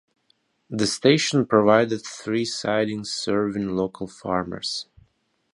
The station provided three sidings serving local farmers.